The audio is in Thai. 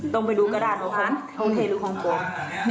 ต้องไปหูดูกระดาษละเหรอผม